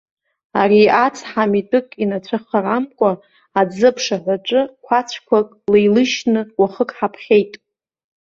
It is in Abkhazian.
Ари ацҳа митәык инацәыхарамкәа, аӡы аԥшаҳәаҿы қәацәқәак леилышьны, уахык ҳаԥхьеит.